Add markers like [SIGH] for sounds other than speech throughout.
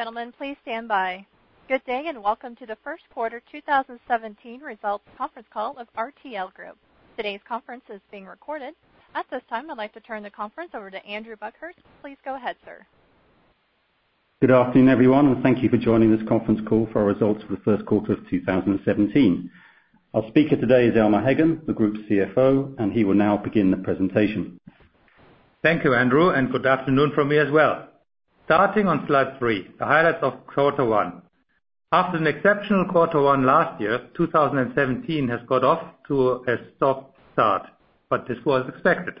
Gentlemen, please stand by. Good day. Welcome to the first quarter 2017 results conference call of RTL Group. Today's conference is being recorded. At this time, I'd like to turn the conference over to Andrew Buckhurst. Please go ahead, sir. Good afternoon, everyone. Thank you for joining this conference call for our results for the first quarter of 2017. Our speaker today is Elmar Heggen, the Group's CFO. He will now begin the presentation. Thank you, Andrew. Good afternoon from me as well. Starting on slide three, the highlights of quarter one. After an exceptional quarter one last year, 2017 has got off to a soft start. This was expected.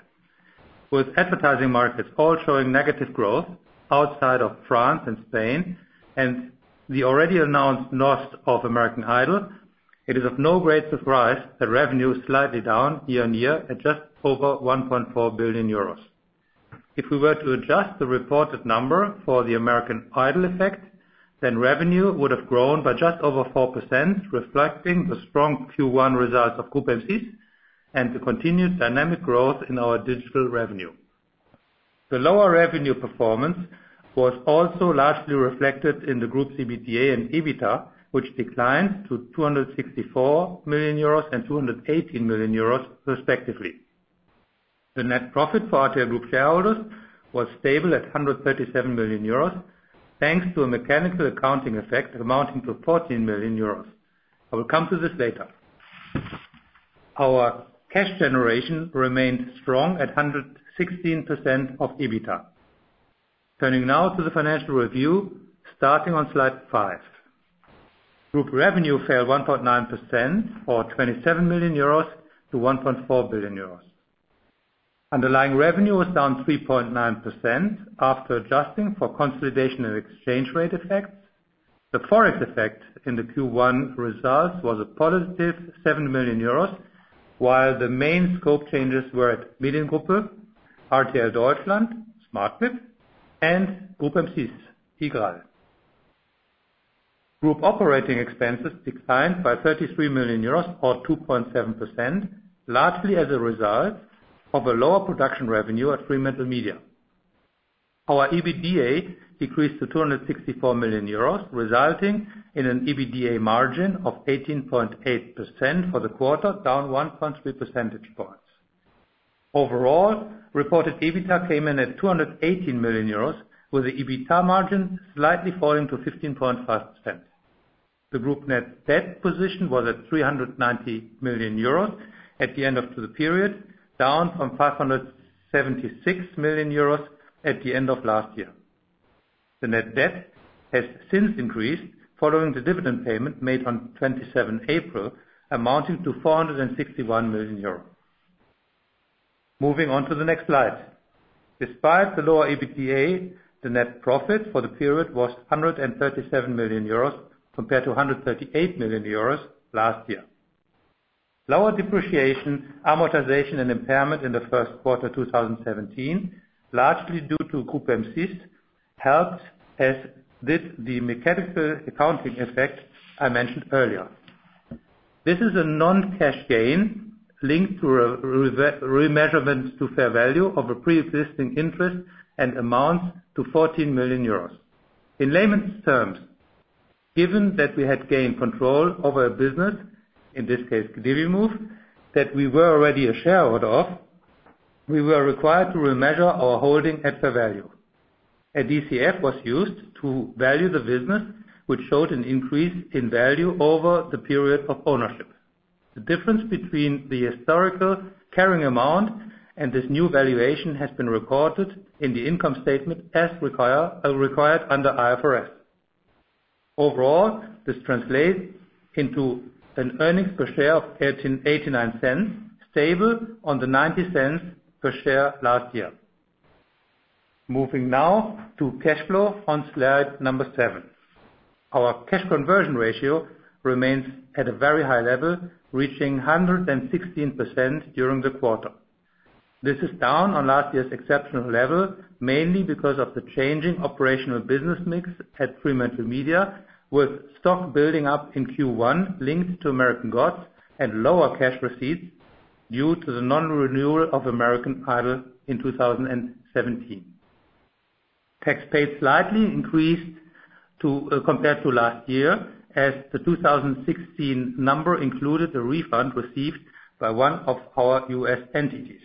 With advertising markets all showing negative growth outside of France and Spain, and the already announced loss of "American Idol," it is of no great surprise that revenue is slightly down year-on-year at just over 1.4 billion euros. If we were to adjust the reported number for the "American Idol" effect, revenue would have grown by just over 4%, reflecting the strong Q1 results of Groupe M6, and the continued dynamic growth in our digital revenue. The lower revenue performance was also largely reflected in the group's EBITDA and EBITA, which declined to 264 million euros and 218 million euros respectively. The net profit for RTL Group shareholders was stable at 137 million euros, thanks to a mechanical accounting effect amounting to 14 million euros. I will come to this later. Our cash generation remained strong at 116% of EBITA. Turning now to the financial review, starting on slide five. Group revenue fell 1.9%, or 27 million euros to 1.4 billion euros. Underlying revenue was down 3.9% after adjusting for consolidation and exchange rate effects. The ForEx effect in the Q1 results was a positive 7 million euros, while the main scope changes were at Mediengruppe RTL Deutschland, Smartclip, and Groupe M6, iGraal. Group operating expenses declined by 33 million euros or 2.7%, largely as a result of a lower production revenue at FremantleMedia. Our EBITDA decreased to 264 million euros, resulting in an EBITDA margin of 18.8% for the quarter, down 1.3 percentage points. Overall, reported EBITA came in at 218 million euros, with the EBITA margin slightly falling to 15.5%. The group net debt position was at 390 million euros at the end of the period, down from 576 million euros at the end of last year. The net debt has since increased following the dividend payment made on 27 April, amounting to 461 million euros. Moving on to the next slide. Despite the lower EBITDA, the net profit for the period was 137 million euros, compared to 138 million euros last year. Lower depreciation, amortization, and impairment in the first quarter 2017, largely due to Groupe M6, helped, as did the mechanical accounting effect I mentioned earlier. This is a non-cash gain linked to a remeasurement to fair value of a pre-existing interest and amounts to 14 million euros. In layman's terms, given that we had gained control over a business, in this case, Divimove, that we were already a shareholder of, we were required to remeasure our holding at fair value. A DCF was used to value the business, which showed an increase in value over the period of ownership. The difference between the historical carrying amount and this new valuation has been recorded in the income statement as required under IFRS. Overall, this translates into an earnings per share of 0.89, stable on the 0.90 per share last year. Moving now to cash flow on slide number seven. Our cash conversion ratio remains at a very high level, reaching 116% during the quarter. This is down on last year's exceptional level, mainly because of the changing operational business mix at FremantleMedia, with stock building up in Q1 linked to "American Gods" and lower cash receipts due to the non-renewal of "American Idol" in 2017. Tax paid slightly increased compared to last year, as the 2016 number included a refund received by one of our U.S. entities.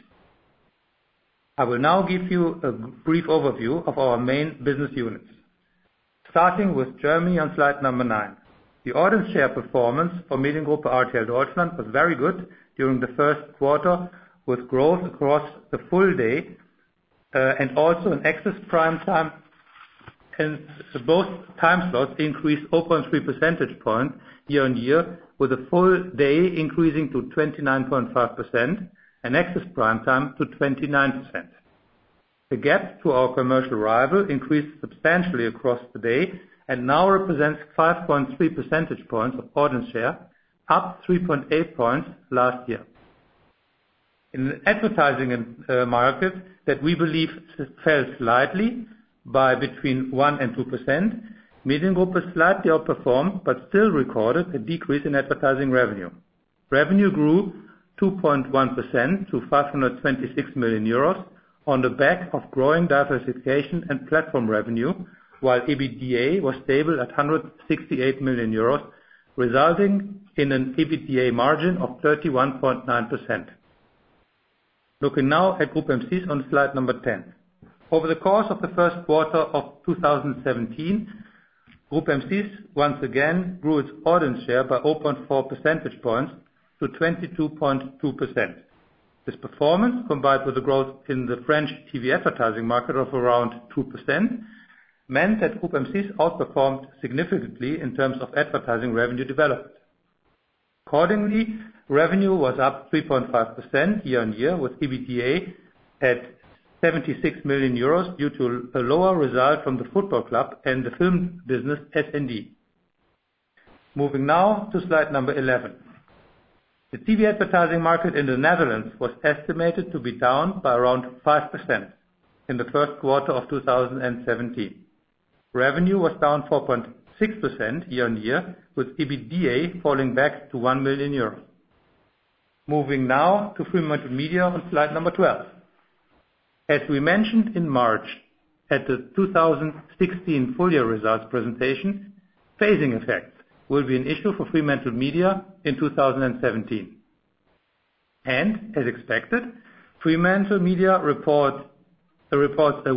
I will now give you a brief overview of our main business units. Starting with Germany on slide number nine. The audience share performance for Mediengruppe RTL Deutschland was very good during the first quarter, with growth across the full day, and also in access prime time. Both time slots increased 0.3 percentage points year-on-year, with a full day increasing to 29.5%, and access prime time to 29%. The gap to our commercial rival increased substantially across the day and now represents 5.3 percentage points of audience share, up 3.8 points last year. In advertising markets that we believe fell slightly by between 1% and 2%, Mediengruppe slightly outperformed but still recorded a decrease in advertising revenue. Revenue grew 2.1% to 526 million euros on the back of growing diversification and platform revenue, while EBITDA was stable at 168 million euros, resulting in an EBITDA margin of 31.9%. Looking now at Groupe M6 on slide number 10. Over the course of the first quarter of 2017, Groupe M6 once again grew its audience share by 0.4 percentage points to 22.2%. This performance, combined with the growth in the French TV advertising market of around 2%, meant that Groupe M6 outperformed significantly in terms of advertising revenue development. Revenue was up 3.5% year-on-year, with EBITDA at 76 million euros due to a lower result from the football club and the film business, SND. Moving now to slide 11. The TV advertising market in the Netherlands was estimated to be down by around 5% in the first quarter of 2017. Revenue was down 4.6% year-on-year, with EBITDA falling back to 1 million euros. Moving now to FremantleMedia on slide 12. As we mentioned in March at the 2016 full year results presentation, phasing effects will be an issue for FremantleMedia in 2017. As expected, FremantleMedia reports a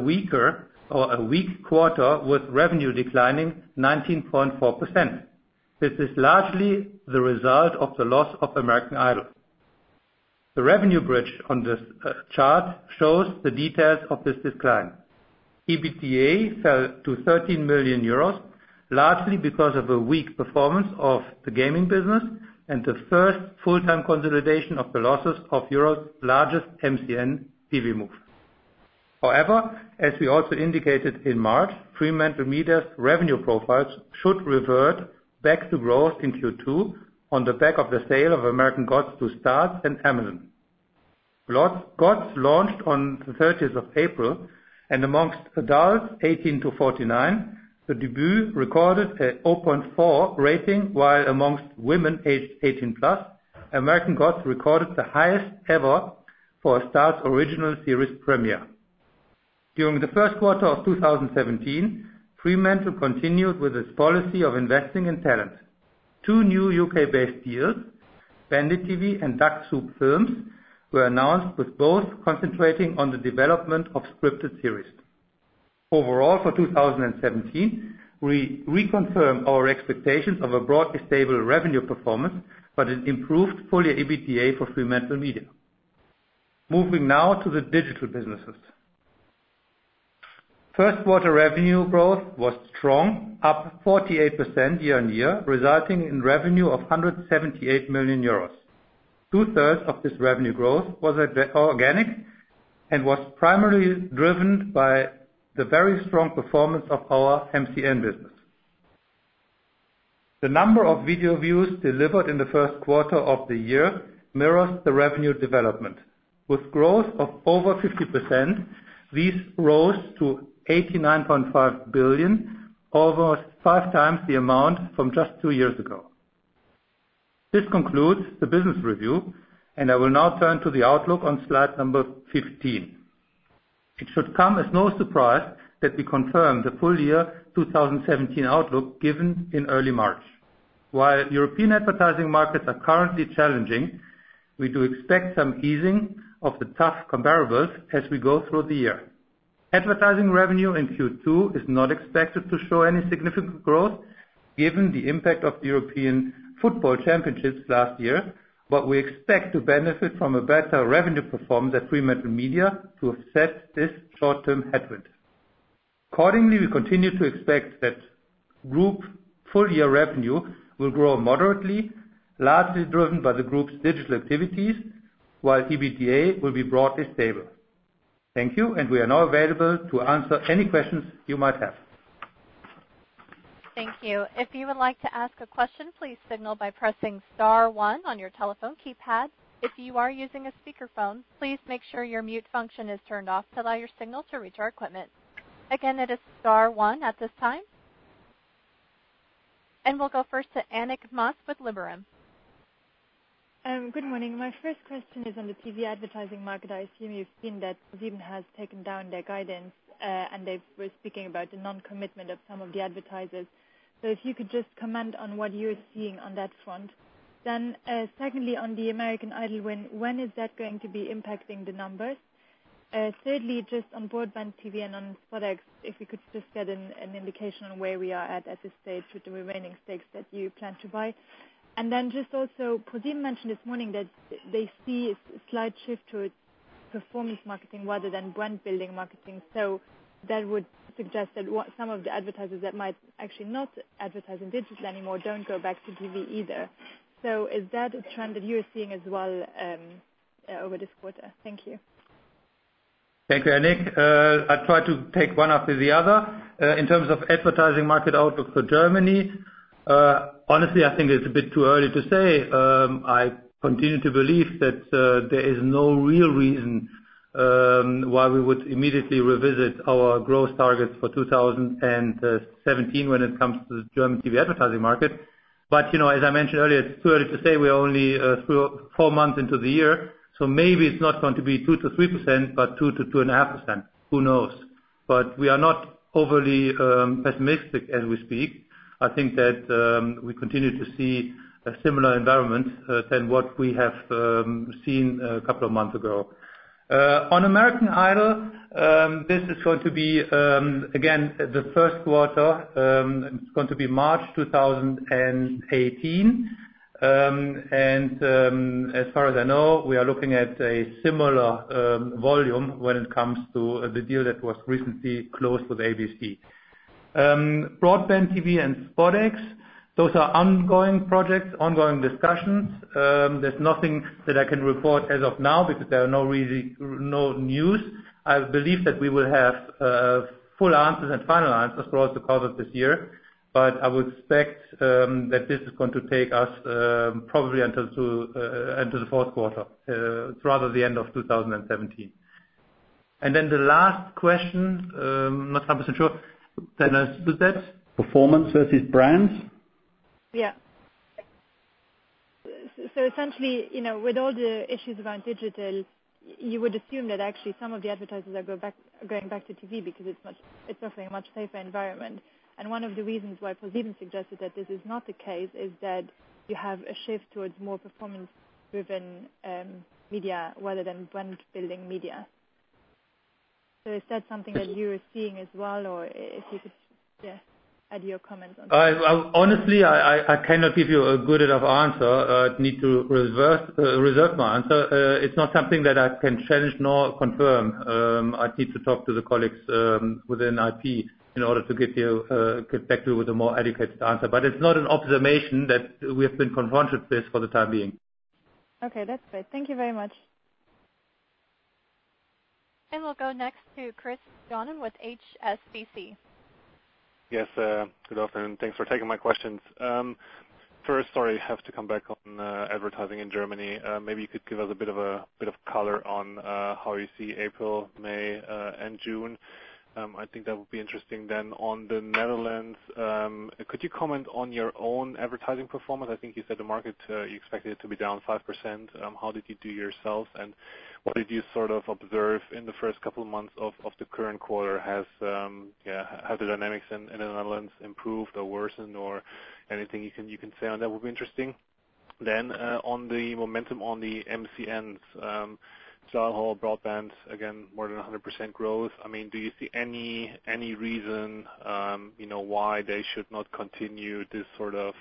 weak quarter, with revenue declining 19.4%. This is largely the result of the loss of "American Idol." The revenue bridge on this chart shows the details of this decline. EBITDA fell to 13 million euros, largely because of a weak performance of the gaming business and the first full-time consolidation of the losses of Europe's largest MCN, Divimove. However, as we also indicated in March, FremantleMedia's revenue profiles should revert back to growth in Q2 on the back of the sale of "American Gods" to Starz and Amazon. "Gods" launched on the 30th of April, amongst adults 18 to 49, the debut recorded an 0.4 rating, while amongst women aged 18 plus, "American Gods" recorded the highest ever for a Starz original series premiere. During the first quarter of 2017, Fremantle continued with its policy of investing in talent. Two new U.K.-based deals, Bandit TV and Duck Soup Films, were announced, with both concentrating on the development of scripted series. Overall, for 2017, we reconfirm our expectations of a broadly stable revenue performance, but an improved full-year EBITDA for FremantleMedia. Moving now to the digital businesses. First quarter revenue growth was strong, up 48% year-on-year, resulting in revenue of 178 million euros. Two-thirds of this revenue growth was organic and was primarily driven by the very strong performance of our MCN business. The number of video views delivered in the first quarter of the year mirrors the revenue development. With growth of over 50%, these rose to 89.5 billion, over five times the amount from just two years ago. This concludes the business review, I will now turn to the outlook on slide 15. It should come as no surprise that we confirm the full year 2017 outlook given in early March. While European advertising markets are currently challenging, we do expect some easing of the tough comparables as we go through the year. Advertising revenue in Q2 is not expected to show any significant growth, given the impact of the European Football Championships last year, but we expect to benefit from a better revenue performance at FremantleMedia to offset this short-term headwind. We continue to expect that Group full-year revenue will grow moderately, largely driven by the Group's digital activities, while EBITDA will be broadly stable. Thank you, we are now available to answer any questions you might have. Thank you. If you would like to ask a question, please signal by pressing star one on your telephone keypad. If you are using a speakerphone, please make sure your mute function is turned off to allow your signal to reach our equipment. Again, it is star one at this time. We'll go first to Annick Maas with Liberum. Good morning. My first question is on the TV advertising market. I assume you've seen that ProSieben has taken down their guidance, they were speaking about the non-commitment of some of the advertisers. If you could just comment on what you're seeing on that front. Secondly, on the American Idol, when is that going to be impacting the numbers? Thirdly, just on BroadbandTV and on products, if you could just get an indication on where we are at this stage with the remaining stakes that you plan to buy. ProSieben mentioned this morning that they see a slight shift towards performance marketing rather than brand-building marketing. That would suggest that some of the advertisers that might actually not advertise in digital anymore don't go back to TV either. Is that a trend that you're seeing as well over this quarter? Thank you. Thank you, Annick. I'll try to take one after the other. In terms of advertising market outlook for Germany, honestly, I think it's a bit too early to say. I continue to believe that there is no real reason why we would immediately revisit our growth targets for 2017 when it comes to the German TV advertising market. As I mentioned earlier, it's too early to say we're only four months into the year, so maybe it's not going to be 2%-3%, but 2%-2.5%. Who knows? We are not overly pessimistic as we speak. I think that we continue to see a similar environment than what we have seen a couple of months ago. On American Idol, this is going to be, again, the first quarter. It's going to be March 2018. As far as I know, we are looking at a similar volume when it comes to the deal that was recently closed with ABC. BroadbandTV and SpotX, those are ongoing projects, ongoing discussions. There is nothing that I can report as of now because there are no news. I believe that we will have full answers and final answers throughout the course of this year, but I would expect that this is going to take us probably into the fourth quarter, rather the end of 2017. The last question, I am not 100% sure, [INAUDIBLE] was that performance versus brands? Essentially, with all the issues around digital, you would assume that actually some of the advertisers are going back to TV because it is offering a much safer environment. One of the reasons why ProSieben suggested that this is not the case is that you have a shift towards more performance-driven media rather than brand-building media. Is that something that you are seeing as well, or if you could just add your comments on that? Honestly, I cannot give you a good enough answer. I'd need to reserve my answer. It's not something that I can challenge nor confirm. I'd need to talk to the colleagues within IP in order to get back to you with a more educated answer. It's not an observation that we have been confronted with for the time being. Okay, that's fair. Thank you very much. We'll go next to Christopher Johnen with HSBC. Yes. Good afternoon. Thanks for taking my questions. First, sorry, have to come back on advertising in Germany. Maybe you could give us a bit of color on how you see April, May, and June. I think that would be interesting. On the Netherlands, could you comment on your own advertising performance? I think you said the market, you expect it to be down 5%. How did you do yourself, and what did you observe in the first couple of months of the current quarter? Have the dynamics in the Netherlands improved or worsened or anything you can say on that would be interesting. On the momentum on the MCNs, StyleHaul, Broadbands, again, more than 100% growth. Do you see any reason why they should not continue this sort of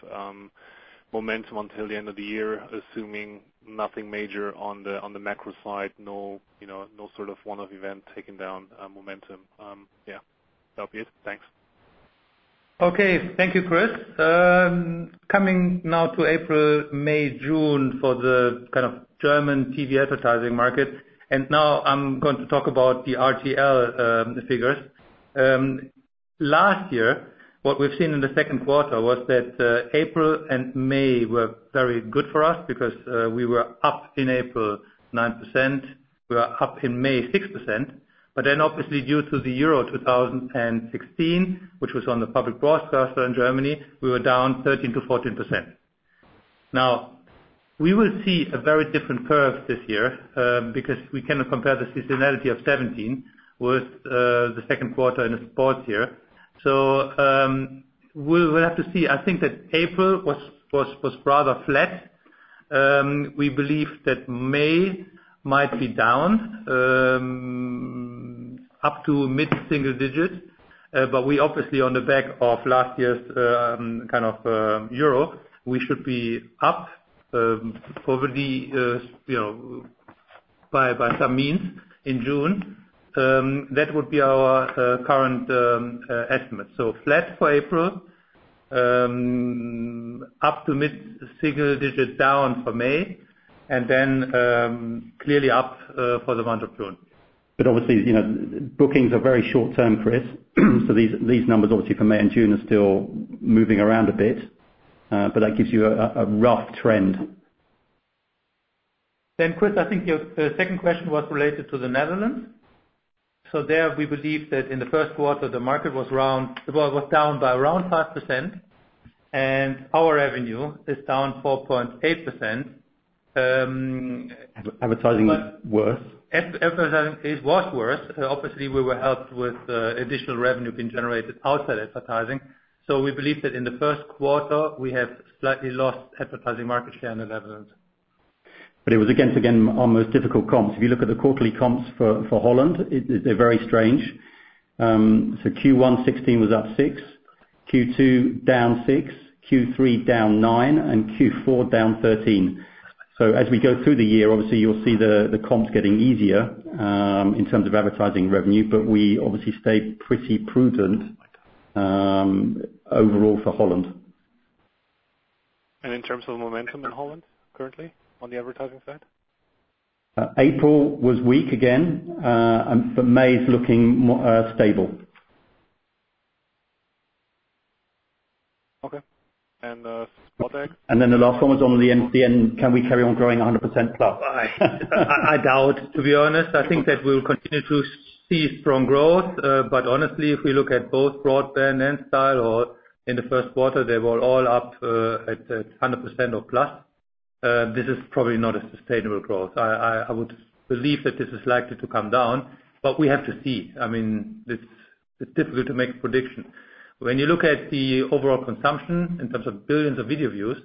momentum until the end of the year, assuming nothing major on the macro side, no sort of one-off event taking down momentum? Yeah. That would be it. Thanks. Okay. Thank you, Chris. Coming now to April, May, June for the German TV advertising market. Now I'm going to talk about the RTL figures. Last year, what we've seen in the second quarter was that April and May were very good for us because we were up in April 9%, we are up in May 6%. Obviously due to the Euro 2016, which was on the public broadcaster in Germany, we were down 13%-14%. We will see a very different curve this year, because we cannot compare the seasonality of 2017 with the second quarter in a sport year. We'll have to see. I think that April was rather flat. We believe that May might be down up to mid-single digit. We obviously on the back of last year's Euro, we should be up probably by some means in June. That would be our current estimate. Flat for April, up to mid-single digit down for May, and then clearly up for the month of June. Obviously, bookings are very short-term, Chris, so these numbers obviously for May and June are still moving around a bit. That gives you a rough trend. Chris, I think your second question was related to the Netherlands. There, we believe that in the first quarter, the market was down by around 5%, and our revenue is down 4.8%. Advertising is worse. Advertising was worse. Obviously, we were helped with additional revenue being generated outside advertising. We believe that in the first quarter, we have slightly lost advertising market share in the Netherlands. It was against, again, almost difficult comps. If you look at the quarterly comps for Holland, they're very strange. Q1 2016 was up six, Q2 down six, Q3 down nine, and Q4 down 13. As we go through the year, obviously you'll see the comps getting easier in terms of advertising revenue, but we obviously stay pretty prudent overall for Holland. In terms of momentum in Holland currently on the advertising side? April was weak again, May is looking more stable. SpotX? The last one was on the MCN, can we carry on growing 100% plus? I doubt, to be honest. I think that we'll continue to see strong growth. Honestly, if we look at both Broadband and Divimove, or in the first quarter, they were all up at 100% or plus. This is probably not a sustainable growth. I would believe that this is likely to come down, but we have to see. It's difficult to make a prediction. When you look at the overall consumption in terms of billions of video views,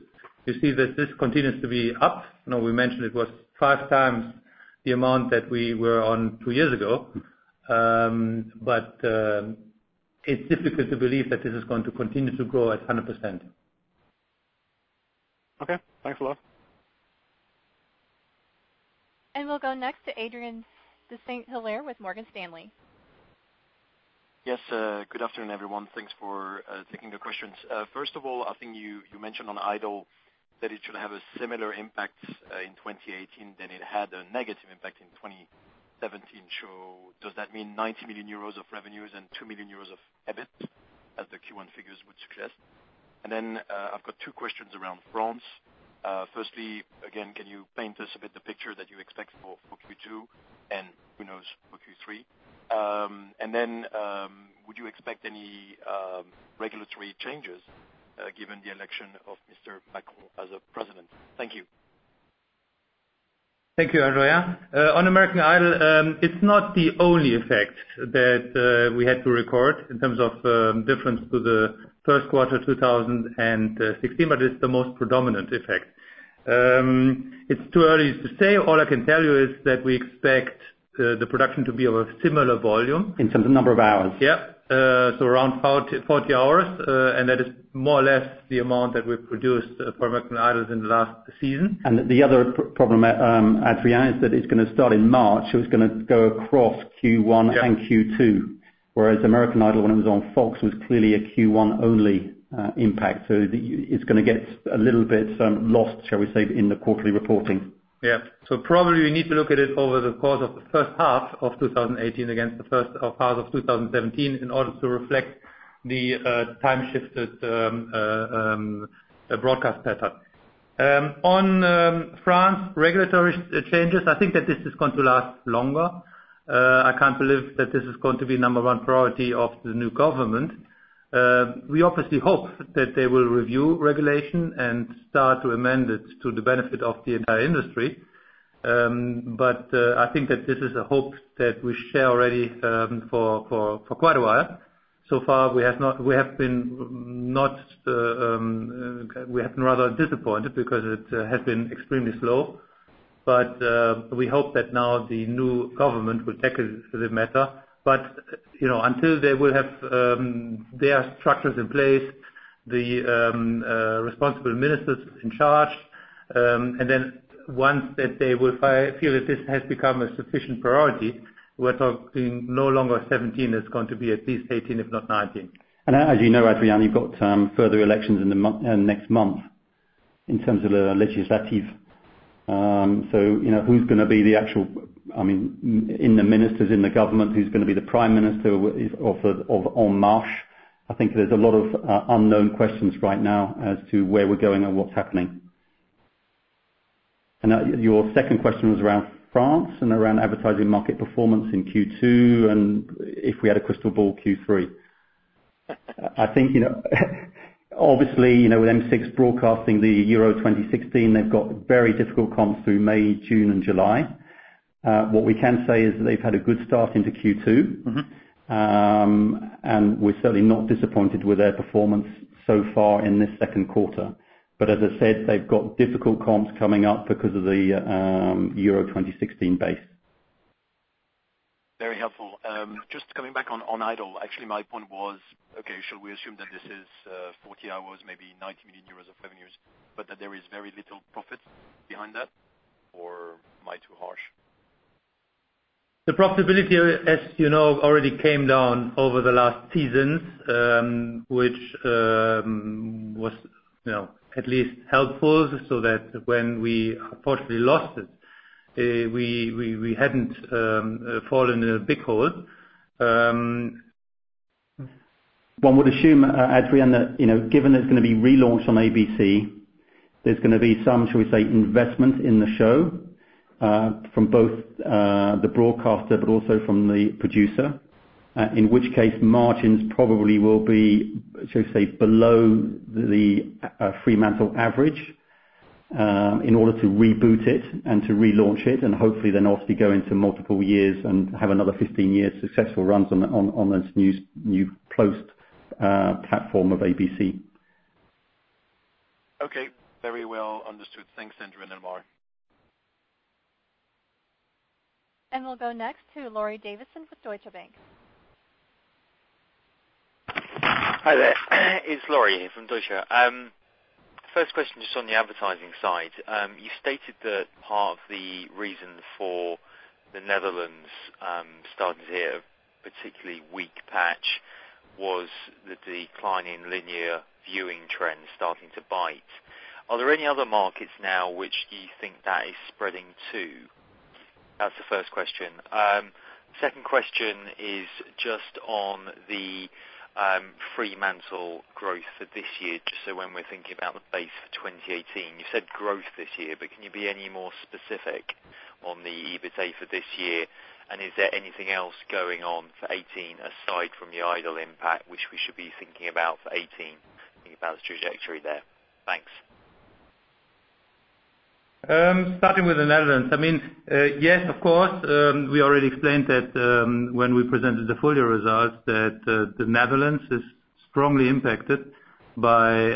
you see that this continues to be up. Now, we mentioned it was five times the amount that we were on two years ago. It's difficult to believe that this is going to continue to grow at 100%. Okay, thanks a lot. We'll go next to Adrien de Saint Hilaire with Morgan Stanley. Yes. Good afternoon, everyone. Thanks for taking the questions. First of all, I think you mentioned on "Idol" that it should have a similar impact in 2018 than it had a negative impact in 2017. Does that mean 90 million euros of revenues and 2 million euros of EBIT as the Q1 figures would suggest? I've got two questions around France. Firstly, again, can you paint us a bit the picture that you expect for Q2 and who knows for Q3? Would you expect any regulatory changes, given the election of Mr. Macron as a president? Thank you. Thank you, Adrien. On "American Idol," it's not the only effect that we had to record in terms of difference to the first quarter 2016, but it's the most predominant effect. It's too early to say. All I can tell you is that we expect the production to be of a similar volume. In terms of number of hours. Around 40 hours. That is more or less the amount that we produced for American Idol in the last season. The other problem, Adrien, is that it's going to start in March, it's going to go across Q1 and Q2. Whereas American Idol, when it was on Fox, was clearly a Q1 only impact. It's going to get a little bit lost, shall we say, in the quarterly reporting. Probably we need to look at it over the course of the first half of 2018 against the first half of 2017 in order to reflect the time shifted broadcast pattern. On France regulatory changes, I think that this is going to last longer. I can't believe that this is going to be number 1 priority of the new government. We obviously hope that they will review regulation and start to amend it to the benefit of the entire industry. I think that this is a hope that we share already for quite a while. Far, we have been rather disappointed because it has been extremely slow. We hope that now the new government will tackle the matter. Until they will have their structures in place, the responsible ministers in charge, and then once they will feel that this has become a sufficient priority, we're talking no longer 2017, it's going to be at least 2018, if not 2019. As you know, Adrien, you've got further elections next month in terms of the legislative. Who's going to be the actual, in the ministers, in the government, who's going to be the prime minister of En Marche! I think there's a lot of unknown questions right now as to where we're going and what's happening. Your second question was around France and around advertising market performance in Q2, and if we had a crystal ball, Q3. I think obviously, with M6 broadcasting the UEFA Euro 2016, they've got very difficult comps through May, June, and July. What we can say is that they've had a good start into Q2. We're certainly not disappointed with their performance so far in this second quarter. As I said, they've got difficult comps coming up because of the UEFA Euro 2016 base. Very helpful. Just coming back on "Idol," actually my point was, okay, shall we assume that this is 40 hours, maybe 90 million euros of revenues, but that there is very little profit behind that? Or am I too harsh? The profitability, as you know, already came down over the last seasons, which was at least helpful, so that when we unfortunately lost it, we hadn't fallen in a big hole. One would assume, Adrien, that given it's going to be relaunched on ABC, there's going to be some, shall we say, investment in the show from both the broadcaster but also from the producer. In which case, margins probably will be, shall we say, below the Fremantle average in order to reboot it and to relaunch it, and hopefully then obviously go into multiple years and have another 15 years successful runs on this new closed platform of ABC. Okay. Very well understood. Thanks, Andrew and Elmar. We'll go next to Laurie Davison with Deutsche Bank. Hi there. It's Laurie here from Deutsche. First question, just on the advertising side. You stated that part of the reason for the Netherlands starting to hit a particularly weak patch was the decline in linear viewing trends starting to bite. Are there any other markets now which do you think that is spreading to? That's the first question. Second question is just on the Fremantle growth for this year, just so when we're thinking about the base for 2018. You said growth this year, but can you be any more specific on the EBITA for this year? Is there anything else going on for 2018 aside from the Idol impact, which we should be thinking about for 2018, thinking about the trajectory there? Thanks. Starting with the Netherlands. We already explained that when we presented the full year results, that the Netherlands is strongly impacted by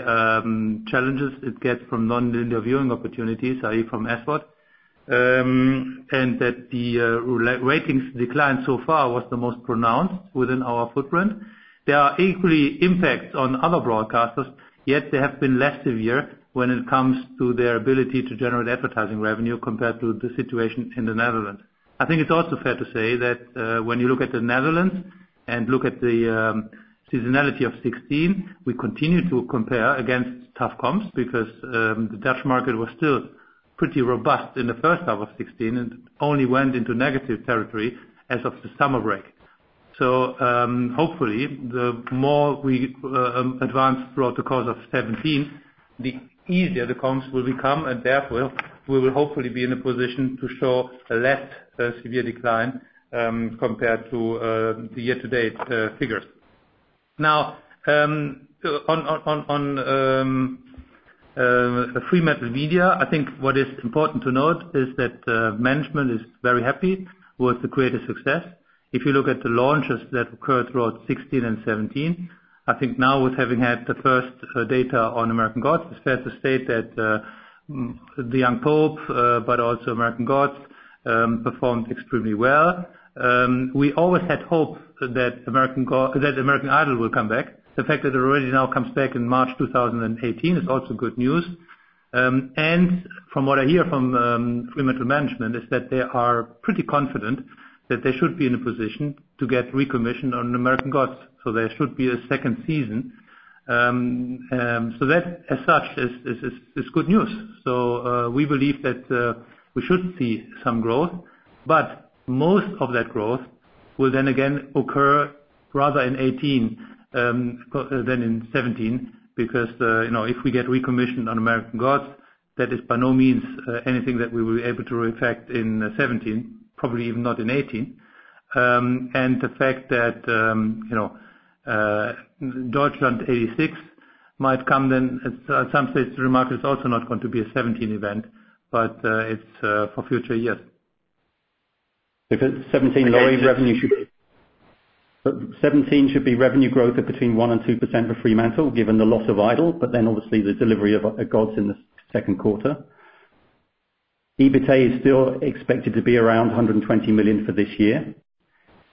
challenges it gets from non-linear viewing opportunities, i.e., from SVOD. That the ratings decline so far was the most pronounced within our footprint. There are equally impacts on other broadcasters, yet they have been less severe when it comes to their ability to generate advertising revenue compared to the situation in the Netherlands. I think it's also fair to say that when you look at the Netherlands and look at the seasonality of 2016, we continue to compare against tough comps because the Dutch market was still pretty robust in the first half of 2016 and only went into negative territory as of the summer break. Hopefully, the more we advance throughout the course of 2017, the easier the comps will become, and therefore, we will hopefully be in a position to show a less severe decline, compared to the year-to-date figures. On FremantleMedia, I think what is important to note is that management is very happy with the creative success. If you look at the launches that occurred throughout 2016 and 2017, I think now with having had the first data on "American Gods," it's fair to state that "The Young Pope," but also "American Gods," performed extremely well. We always had hope that "American Idol" will come back. The fact that it already now comes back in March 2018 is also good news. From what I hear from Fremantle Management is that they are pretty confident that they should be in a position to get recommissioned on "American Gods," There should be a second season. That as such, is good news. We believe that we should see some growth. Most of that growth will then again occur rather in 2018 than in 2017 because if we get recommissioned on "American Gods," that is by no means anything that we will be able to reflect in 2017, probably even not in 2018. The fact that "Deutschland 86" might come then at some stage, the market is also not going to be a 2017 event, but it's for future years. 2017, should be revenue growth of between 1% and 2% for Fremantle, given the loss of Idol, but then obviously the delivery of Gods in the second quarter. EBITA is still expected to be around 120 million for this year.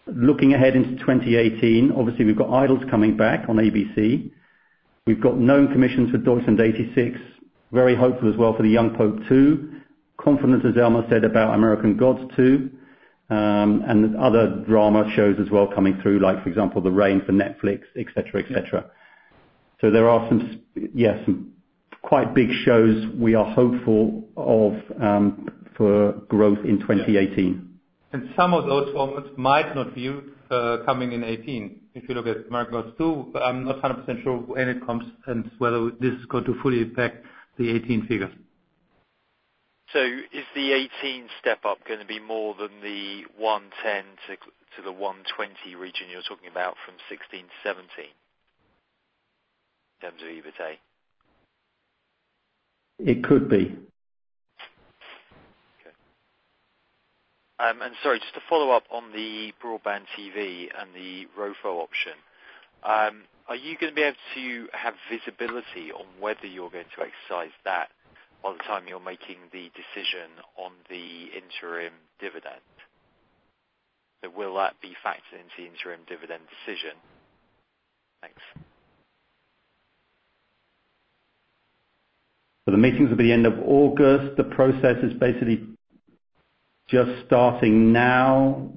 Looking ahead into 2018, obviously we've got Idols coming back on ABC. We've got known commissions for "Deutschland 86." Very hopeful as well for "The Young Pope 2." Confidence, as Elmar said about "American Gods 2," and other drama shows as well coming through, like for example, "The Rain" for Netflix, et cetera. There are some quite big shows we are hopeful of for growth in 2018. Some of those formats might not be coming in 2018. If you look at "American Gods 2," I'm not 100% sure when it comes and whether this is going to fully impact the 2018 figures. Is the 2018 step up going to be more than the 110-120 region you're talking about from 2016 to 2017, in terms of EBITA? It could be. Okay. Sorry, just to follow up on the BroadbandTV and the ROFO option. Are you going to be able to have visibility on whether you're going to exercise that by the time you're making the decision on the interim dividend? Will that be factored into the interim dividend decision? Thanks. Well, the meetings will be end of August. The process is basically just starting now.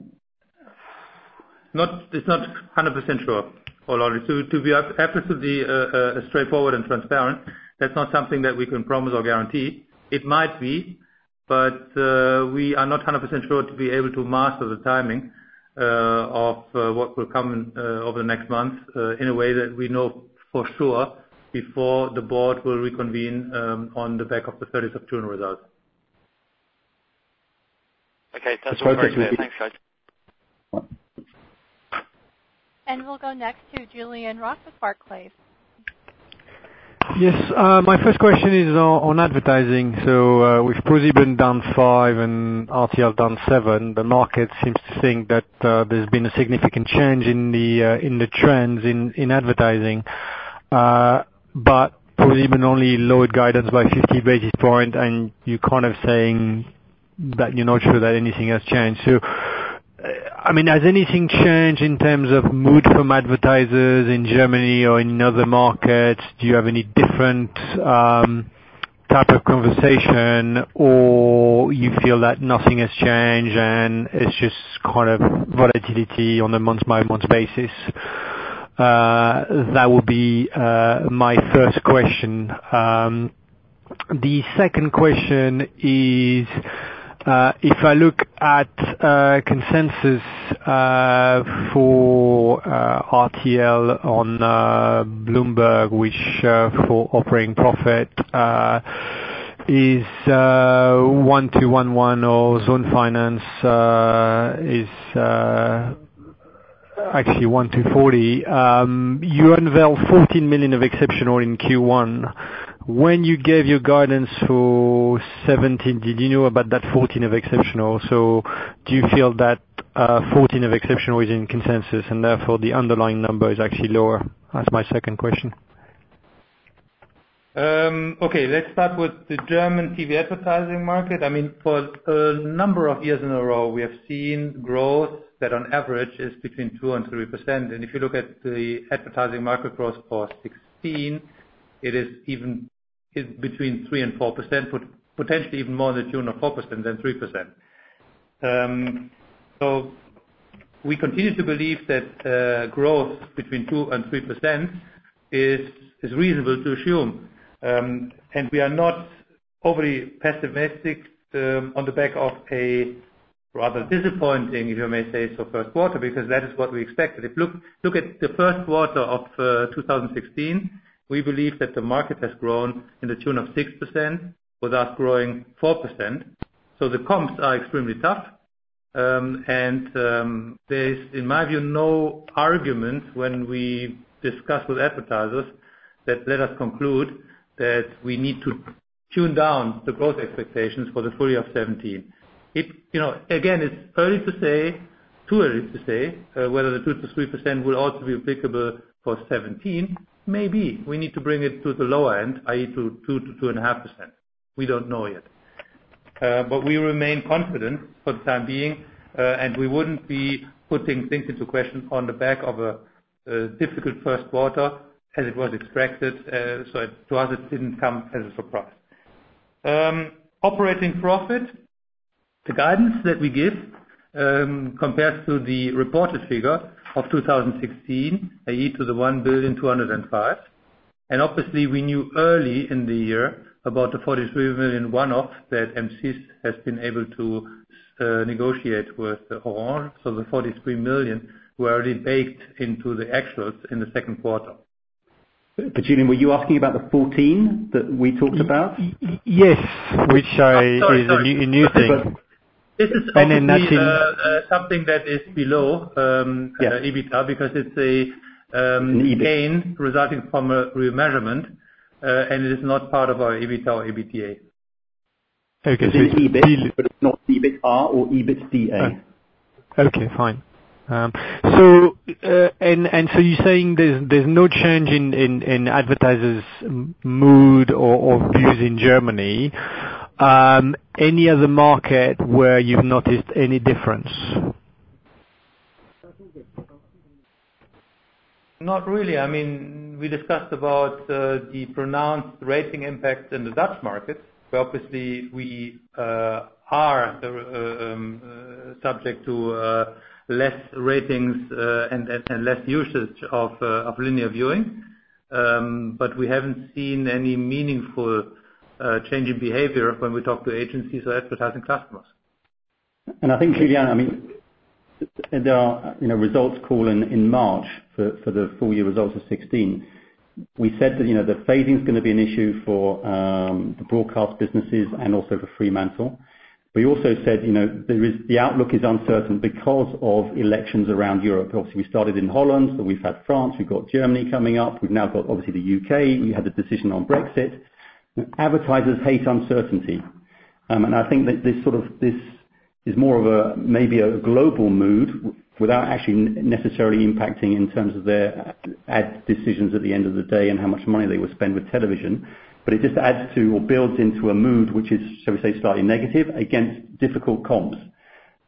It's not 100% sure, Laurie. To be absolutely straightforward and transparent, that's not something that we can promise or guarantee. It might be, but we are not 100% sure to be able to master the timing of what will come over the next month, in a way that we know for sure before the board will reconvene on the back of the 30th of June results. Okay. That's all very clear. Thanks, guys. We'll go next to Julien Roch with Barclays. Yes. My first question is on advertising. With ProSieben down 5% and RTL down 7%, the market seems to think that there has been a significant change in the trends in advertising. ProSieben only lowered guidance by 50 basis points, and you are kind of saying that you are not sure that anything has changed. Has anything changed in terms of mood from advertisers in Germany or in other markets? Do you have any different type of conversation or you feel that nothing has changed, and it is just kind of volatility on a month-by-month basis? That will be my first question. The second question is, if I look at consensus for RTL on Bloomberg, which for operating profit is 1,211, or Zonebourse is actually 1,240. You unveil 14 million of exceptional in Q1. When you gave your guidance for 2017, did you know about that 14 of exceptional? Do you feel that 14 of exceptional is in consensus and therefore the underlying number is actually lower? That is my second question. Okay, let us start with the German TV advertising market. For a number of years in a row, we have seen growth that on average is between 2% and 3%. If you look at the advertising market growth for 2016, it is between 3% and 4%, potentially even more in the tune of 4% than 3%. We continue to believe that growth between 2% and 3% is reasonable to assume. We are not overly pessimistic on the back of a rather disappointing, if I may say, first quarter, because that is what we expected. If you look at the first quarter of 2016, we believe that the market has grown in the tune of 6%, with us growing 4%. The comps are extremely tough. There is, in my view, no argument when we discuss with advertisers that let us conclude that we need to tune down the growth expectations for the full year of 2017. Again, it is early to say, too early to say, whether the 2% to 3% will also be applicable for 2017. Maybe we need to bring it to the lower end, i.e., to 2%-2.5%. We do not know yet. We remain confident for the time being, and we wouldn't be putting things into question on the back of a difficult first quarter as it was expected. To us, it didn't come as a surprise. Operating profit, the guidance that we give, compared to the reported figure of 2016, i.e., to the 1,205 million. Obviously we knew early in the year about the 43 million one-off that M6 has been able to negotiate with Orange. The 43 million were already baked into the actuals in the second quarter. Julien, were you asking about the 14 that we talked about? Yes. Which is a new thing. This is obviously something that is below- Yeah EBITDA, because it's. An EBIT. gain resulting from a remeasurement, and it is not part of our EBIT or EBITDA. Okay. It is EBIT, but it's not EBITA or EBITDA. Okay, fine. You're saying there's no change in advertisers' mood or views in Germany. Any other market where you've noticed any difference? Not really. We discussed about the pronounced rating impact in the Dutch market, where obviously we are subject to less ratings and less usage of linear viewing. We haven't seen any meaningful change in behavior when we talk to agencies or advertising customers. I think, Julien, there are results call in March for the full year results of 2016. We said that the phasing is going to be an issue for the broadcast businesses and also for Fremantle. We also said the outlook is uncertain because of elections around Europe. Obviously, we started in Holland, so we've had France, we've got Germany coming up. We've now got, obviously, the U.K. We had the decision on Brexit. Advertisers hate uncertainty. I think that this is more of maybe a global mood without actually necessarily impacting in terms of their ad decisions at the end of the day and how much money they will spend with television. It just adds to or builds into a mood which is, shall we say, slightly negative against difficult comps.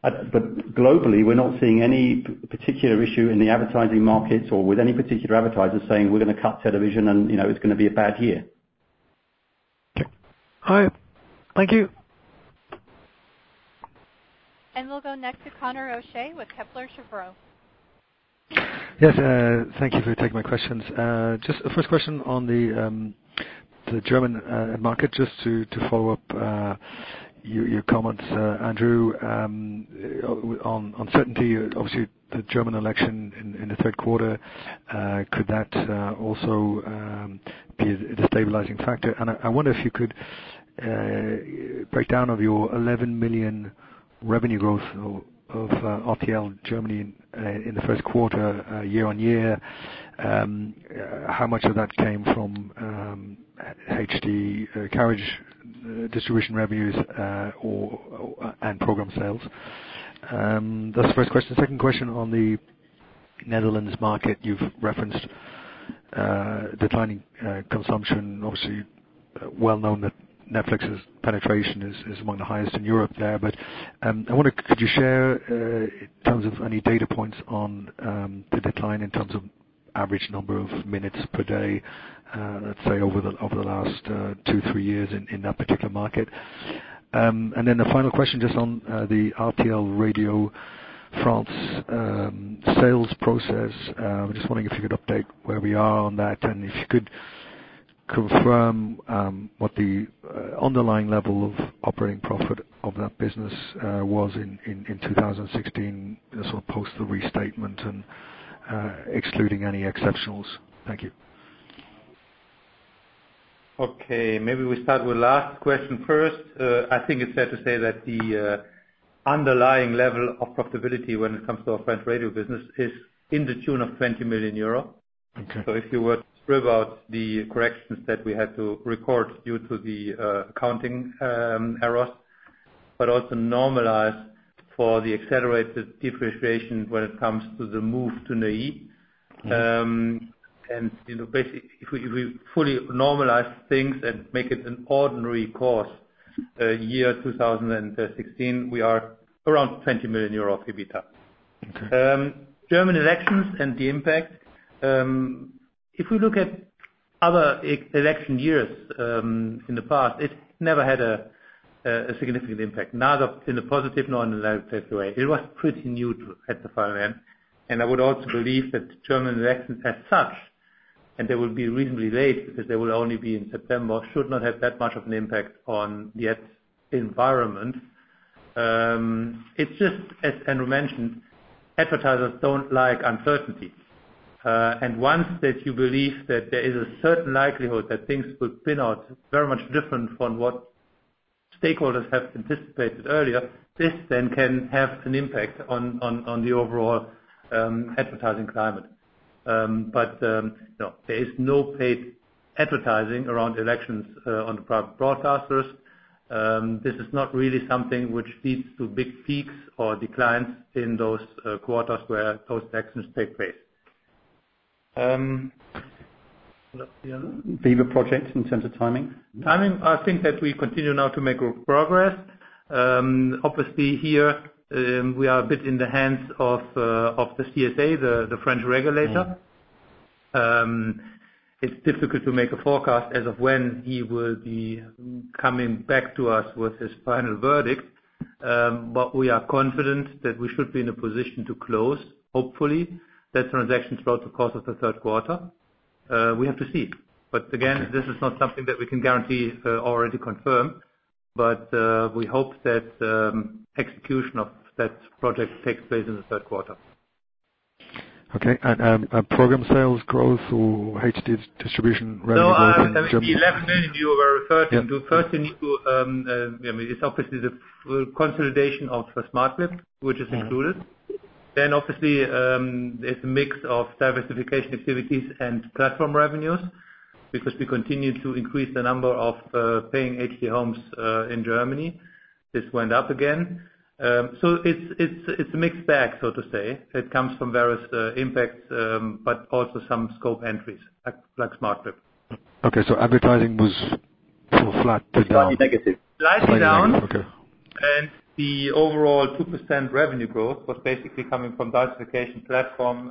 Globally, we're not seeing any particular issue in the advertising markets or with any particular advertisers saying, "We're going to cut television and it's going to be a bad year. Okay. All right. Thank you. We'll go next to Conor O'Shea with Kepler Cheuvreux. Yes, thank you for taking my questions. Just a first question on the German market, just to follow up your comments, Andrew, on uncertainty. Obviously, the German election in the third quarter, could that also be a destabilizing factor? I wonder if you could break down of your 11 million revenue growth of RTL Deutschland in the first quarter, year-over-year. How much of that came from HD carriage distribution revenues and program sales? That's the first question. Second question on the Netherlands market, you've referenced declining consumption, obviously well known that Netflix's penetration is among the highest in Europe there. I wonder, could you share in terms of any data points on the decline in terms of average number of minutes per day, let's say over the last two, three years in that particular market? The final question, just on the RTL Radio France sales process. I'm just wondering if you could update where we are on that, and if you could confirm what the underlying level of operating profit of that business was in 2016, sort of post the restatement and excluding any exceptionals. Thank you. Okay. Maybe we start with last question first. I think it is fair to say that the underlying level of profitability when it comes to our French radio business is in the tune of 20 million euro. Okay. If you were to strip out the corrections that we had to record due to the accounting errors, but also normalize for the accelerated depreciation when it comes to the move to [Nei]. Yeah. Basically, if we fully normalize things and make it an ordinary course, year 2016, we are around 20 million euro of EBITDA. Okay. German elections and the impact. If we look at other election years, in the past, it never had a significant impact, neither in a positive nor in a negative way. It was pretty neutral at the far end. I would also believe that the German elections as such, and they will be reasonably late because they will only be in September, should not have that much of an impact on the ads environment. It is just as Andrew mentioned, advertisers do not like uncertainty. Once that you believe that there is a certain likelihood that things could pan out very much different from what stakeholders have anticipated earlier, this then can have an impact on the overall advertising climate. No, there is no paid advertising around elections, on the private broadcasters. This is not really something which leads to big peaks or declines in those quarters where those elections take place. What's the other? Viva project in terms of timing. Timing, I think that we continue now to make good progress. Obviously here, we are a bit in the hands of the CSA, the French regulator. It's difficult to make a forecast as of when he will be coming back to us with his final verdict. We are confident that we should be in a position to close, hopefully, that transaction throughout the course of the third quarter. We have to see. Again, this is not something that we can guarantee or already confirm, but we hope that execution of that project takes place in the third quarter. Okay. program sales growth or HD distribution revenue growth in Germany? No, the 11 million you were referring to. Yeah. Firstly, it's obviously the consolidation of Smartclip, which is included. obviously, it's a mix of diversification activities and platform revenues, because we continue to increase the number of paying HD homes in Germany. This went up again. it's a mixed bag, so to say. It comes from various impacts, but also some scope entries, like Smartclip. Okay. advertising was sort of flat to down. Slightly negative. Slightly down. Okay. The overall 2% revenue growth was basically coming from diversification platform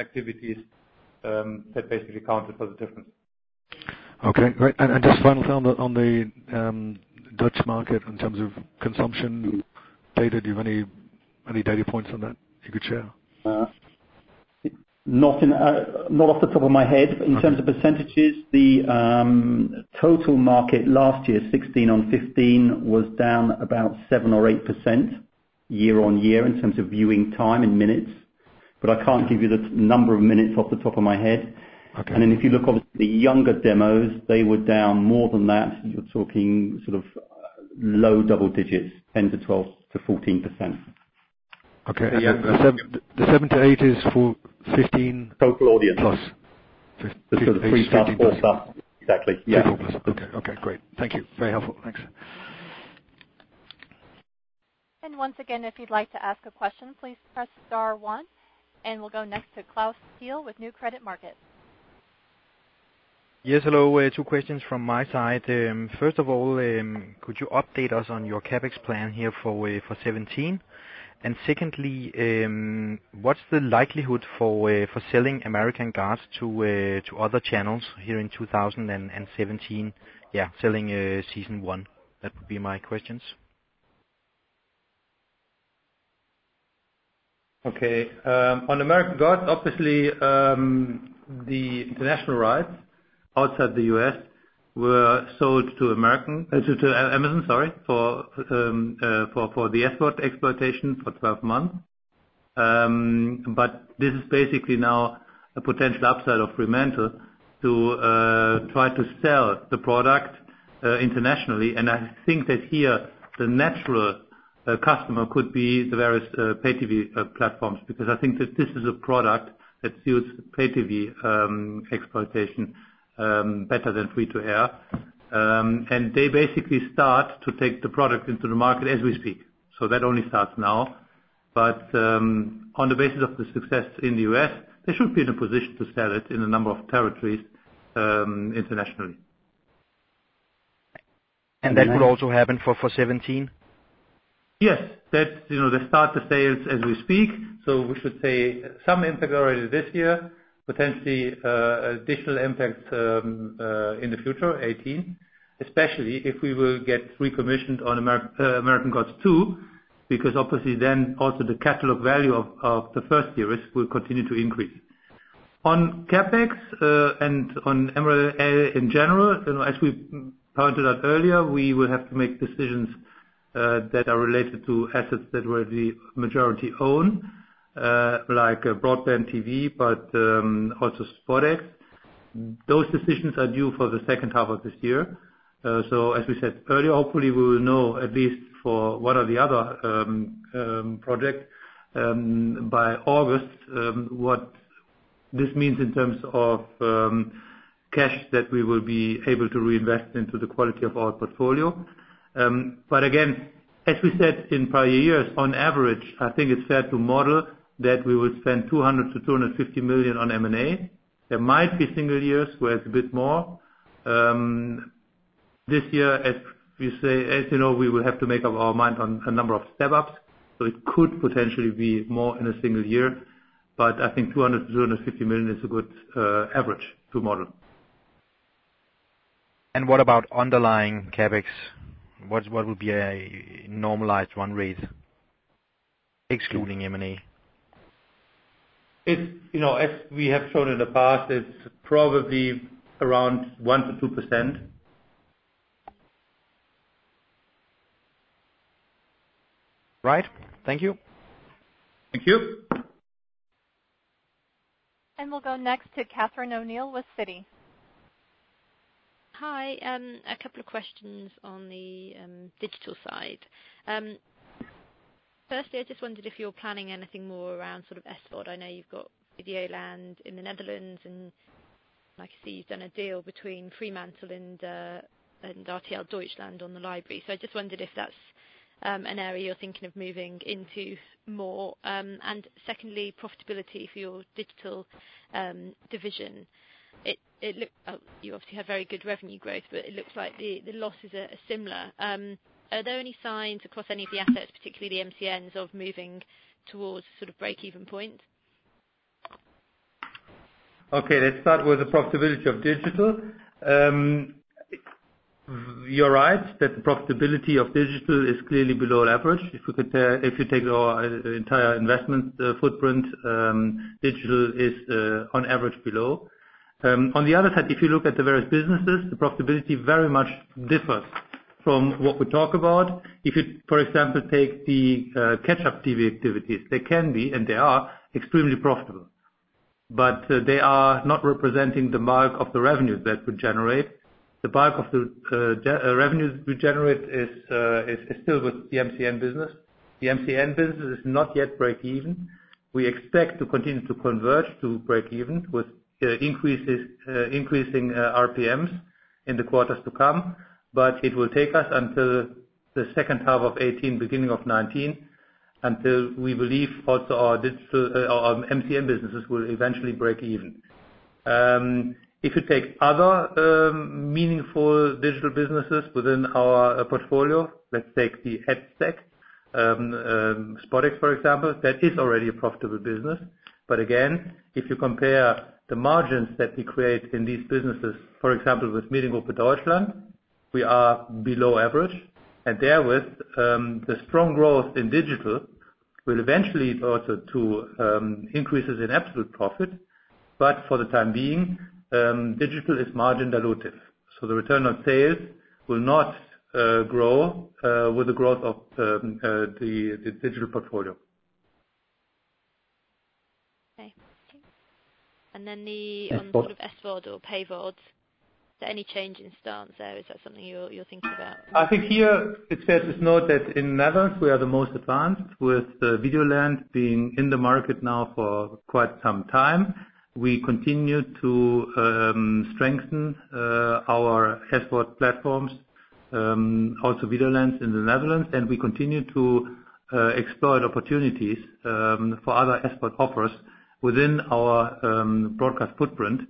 activities, that basically accounted for the difference. Okay. Great. Just final, on the Dutch market in terms of consumption data. Do you have any data points on that you could share? Not off the top of my head. Okay. In terms of percentages, the total market last year, 2016 on 2015, was down about 7% or 8% year-over-year in terms of viewing time in minutes, but I can't give you the number of minutes off the top of my head. Okay. If you look, obviously, the younger demos, they were down more than that. You're talking sort of low double digits, 10% to 12% to 14%. Okay. The 7% to 8% is for 2015- Total audience plus. The pre stuff, all stuff. Exactly. Yeah. Okay. Great. Thank you. Very helpful. Thanks. Once again, if you'd like to ask a question, please press star one. We'll go next to Klaus Thiel with New Credit Markets. Yes, hello. Two questions from my side. First of all, could you update us on your CapEx plan here for 2017? Secondly, what's the likelihood for selling "American Gods" to other channels here in 2017? Yeah, selling season one. That would be my questions. Okay. On "American Gods," obviously, the international rights outside the U.S. were sold to Amazon, for the export exploitation for 12 months. This is basically now a potential upside of Fremantle to try to sell the product internationally. I think that here, the natural customer could be the various pay TV platforms, because I think that this is a product that suits pay TV exploitation better than free to air. They basically start to take the product into the market as we speak. That only starts now. On the basis of the success in the U.S., they should be in a position to sell it in a number of territories internationally. That could also happen for 2017? Yes. They start the sales as we speak. We should see some impact already this year, potentially additional impact in the future, 2018, especially if we will get recommissioned on "American Gods 2," because obviously then also the catalog value of the first series will continue to increase. On CapEx, and on M&A in general, as we pointed out earlier, we will have to make decisions that are related to assets that we majority own, like BroadbandTV, but also SpotX. Those decisions are due for the second half of this year. As we said earlier, hopefully we will know at least for one or the other project by August what this means in terms of cash that we will be able to reinvest into the quality of our portfolio. Again, as we said in prior years, on average, I think it's fair to model that we will spend 200 million to 250 million on M&A. There might be single years where it's a bit more. This year, as you know, we will have to make up our mind on a number of step-ups, so it could potentially be more in a single year. I think 200 million to 250 million is a good average to model. What about underlying CapEx? What would be a normalized run rate, excluding M&A? As we have shown in the past, it's probably around 1% to 2%. Right. Thank you. Thank you. We'll go next to Catherine O'Neill with Citi. Hi. A couple of questions on the digital side. Firstly, I just wondered if you're planning anything more around SVOD. I know you've got Videoland in the Netherlands, and I see you've done a deal between Fremantle and RTL Deutschland on the library. I just wondered if that's an area you're thinking of moving into more. Secondly, profitability for your digital division. You obviously have very good revenue growth, but it looks like the losses are similar. Are there any signs across any of the assets, particularly the MCNs, of moving towards breakeven point? Let's start with the profitability of digital. You're right that the profitability of digital is clearly below average. If you take our entire investment footprint, digital is on average below. On the other side, if you look at the various businesses, the profitability very much differs from what we talk about. If you, for example, take the catch-up TV activities, they can be, and they are, extremely profitable. They are not representing the mark of the revenues that we generate. The bulk of the revenues we generate is still with the MCN business. The MCN business is not yet breakeven. We expect to continue to converge to breakeven, with increasing RPMs in the quarters to come. It will take us until the second half of 2018, beginning of 2019, until we believe also our MCN businesses will eventually breakeven. If you take other meaningful digital businesses within our portfolio, let's take the ad stack, SpotX, for example, that is already a profitable business. Again, if you compare the margins that we create in these businesses, for example, with Mediengruppe RTL Deutschland, we are below average. Therewith, the strong growth in digital will eventually result to increases in absolute profit. For the time being, digital is margin dilutive. The return on sales will not grow with the growth of the digital portfolio. Okay. Then on SVOD or PVOD, is there any change in stance there? Is that something you're thinking about? I think here it's fair to note that in the Netherlands, we are the most advanced, with Videoland being in the market now for quite some time. We continue to strengthen our SVOD platforms, also Videoland in the Netherlands, and we continue to explore opportunities for other SVOD offers within our broadcast footprint.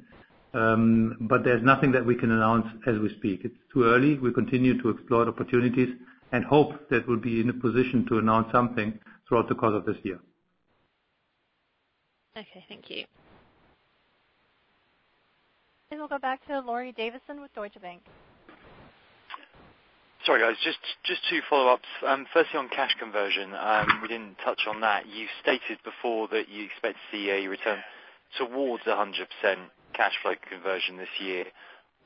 There's nothing that we can announce as we speak. It's too early. We continue to explore the opportunities, and hope that we'll be in a position to announce something throughout the course of this year. Okay, thank you. We'll go back to Laurie Davison with Deutsche Bank. Sorry, guys. Just 2 follow-ups. Firstly, on cash conversion, we didn't touch on that. You stated before that you expect to see a return towards 100% cash flow conversion this year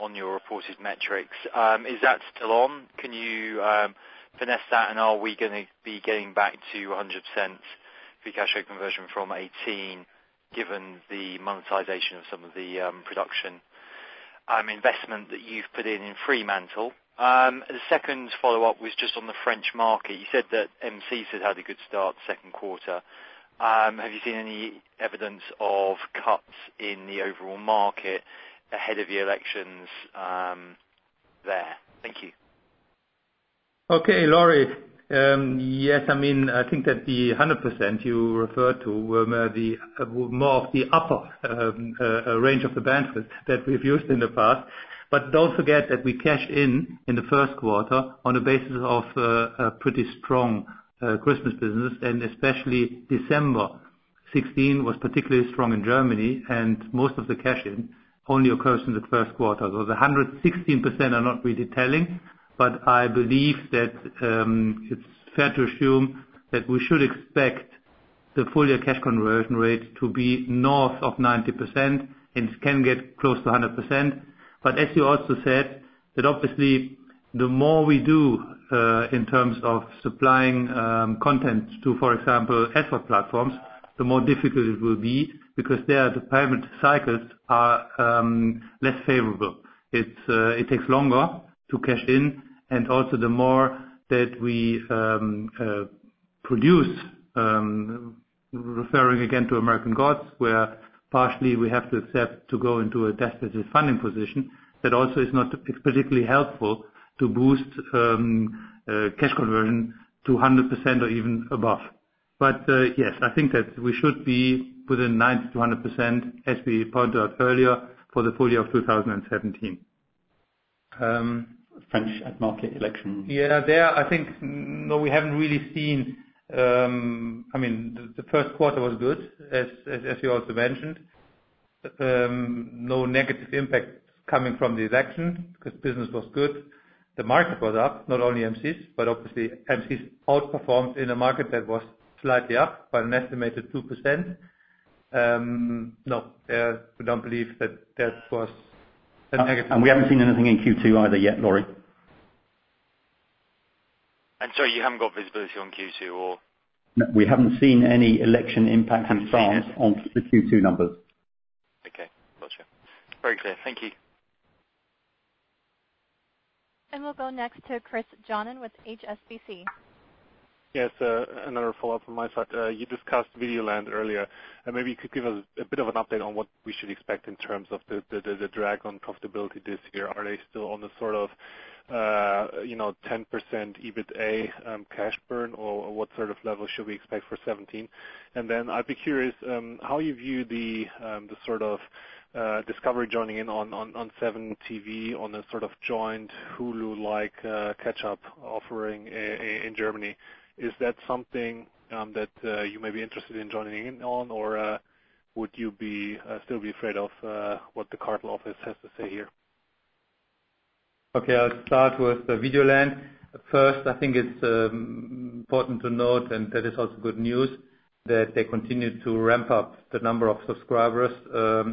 on your reported metrics. Is that still on? Can you finesse that, and are we going to be getting back to 100% free cash flow conversion from 2018, given the monetization of some of the production investment that you've put in Fremantle? The second follow-up was just on the French market. You said that M6 has had a good start, second quarter. Have you seen any evidence of cuts in the overall market ahead of the elections there? Thank you. Okay, Laurie. Yes, I think that the 100% you referred to were more of the upper range of the bandwidth that we've used in the past. Don't forget that we cashed in in the first quarter on the basis of a pretty strong Christmas business, and especially December 2016 was particularly strong in Germany, and most of the cash-in only occurs in the first quarter. The 116% are not really telling, but I believe that it's fair to assume that we should expect the full year cash conversion rate to be north of 90%, and it can get close to 100%. As you also said, that obviously the more we do in terms of supplying content to, for example, SVOD platforms, the more difficult it will be, because there, the payment cycles are less favorable. It takes longer to cash in, and also the more that we produce, referring again to "American Gods," where partially we have to accept to go into a debt versus funding position, that also is not particularly helpful to boost cash conversion to 100% or even above. Yes, I think that we should be within 90%-100%, as we pointed out earlier, for the full year of 2017. French ad market election. Yeah. There, I think, no, we haven't really seen. The first quarter was good, as you also mentioned. No negative impact coming from the election because business was good. The market was up, not only M6, but obviously M6 outperformed in a market that was slightly up by an estimated 2%. No, we don't believe that that was a negative. We haven't seen anything in Q2 either yet, Laurie? So you haven't got visibility on Q2, or? We haven't seen any election impact thus far on the Q2 numbers. Okay. Got you. Very clear. Thank you. We'll go next to Chris Johnen with HSBC. Yes, another follow-up from my side. You discussed Videoland earlier, and maybe you could give us a bit of an update on what we should expect in terms of the drag on profitability this year. Are they still on the sort of 10% EBITA cash burn, or what sort of level should we expect for 2017? Then I'd be curious how you view the sort of Discovery joining in on 7TV, on a sort of joint Hulu-like catch-up offering in Germany. Is that something that you may be interested in joining in on, or would you still be afraid of what the Cartel Office has to say here? Okay. I will start with Videoland. First, I think it is important to note, and that is also good news, that they continue to ramp up the number of subscribers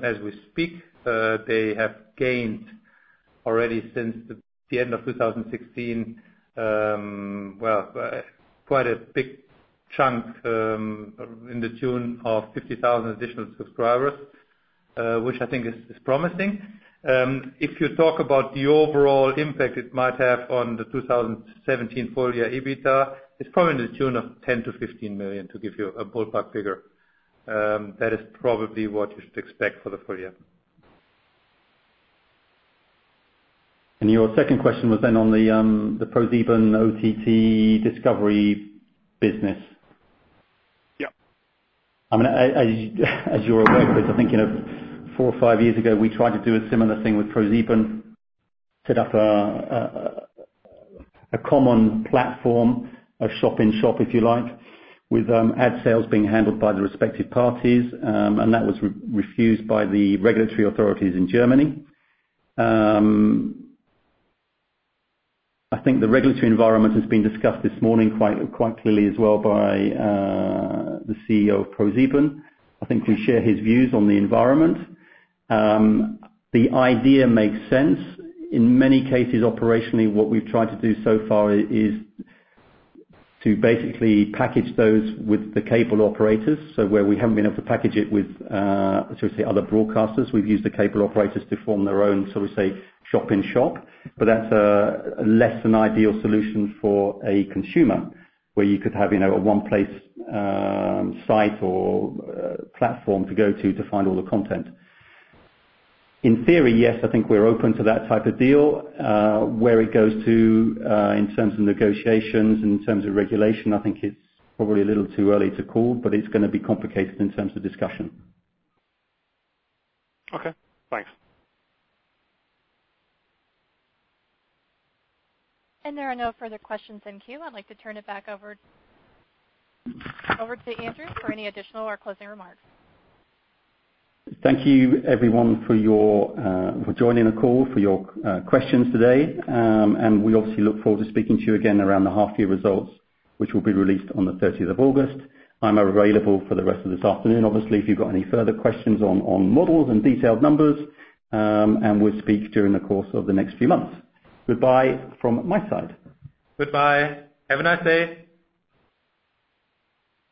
as we speak. They have gained already since the end of 2016, well, quite a big chunk in the tune of 50,000 additional subscribers, which I think is promising. If you talk about the overall impact it might have on the 2017 full year EBITDA, it is probably in the tune of 10 million-15 million, to give you a ballpark figure. That is probably what you should expect for the full year. Your second question was on the ProSieben OTT Discovery business. Yep. As you are aware, Chris, I think four or five years ago, we tried to do a similar thing with ProSieben, set up a common platform, a shop-in-shop, if you like, with ad sales being handled by the respective parties, that was refused by the regulatory authorities in Germany. I think the regulatory environment has been discussed this morning quite clearly as well by the CEO of ProSieben. I think we share his views on the environment. The idea makes sense. In many cases, operationally, what we have tried to do so far is to basically package those with the cable operators. Where we haven't been able to package it with other broadcasters, we have used the cable operators to form their own sort of, say, shop-in-shop. That is a less than ideal solution for a consumer, where you could have a one-place site or platform to go to find all the content. In theory, yes, I think we are open to that type of deal. Where it goes to in terms of negotiations, in terms of regulation, I think it is probably a little too early to call, but it is going to be complicated in terms of discussion. Okay, thanks. There are no further questions in queue. I'd like to turn it back over to Andrew for any additional or closing remarks. Thank you everyone for joining the call, for your questions today. We obviously look forward to speaking to you again around the half year results, which will be released on the 30th of August. I'm available for the rest of this afternoon, obviously, if you've got any further questions on models and detailed numbers, and we'll speak during the course of the next few months. Goodbye from my side. Goodbye. Have a nice day.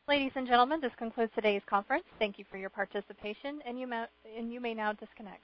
Ladies and gentlemen, this concludes today's conference. Thank you for your participation, and you may now disconnect.